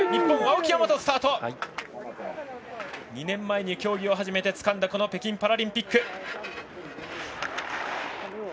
２年前に競技を始めてつかんだ北京パラリンピック。